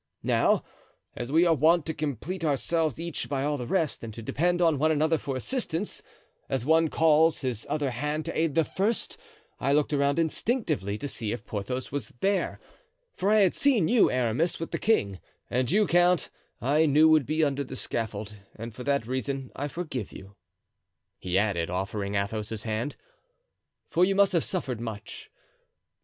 Now, as we are wont to complete ourselves each by all the rest and to depend on one another for assistance, as one calls his other hand to aid the first, I looked around instinctively to see if Porthos was there; for I had seen you, Aramis, with the king, and you, count, I knew would be under the scaffold, and for that reason I forgive you," he added, offering Athos his hand, "for you must have suffered much.